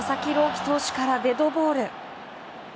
希投手からデッドボール。